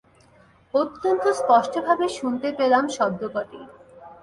অত্যন্ত স্পষ্টভাবে শুনতে পেলাম শব্দকটি।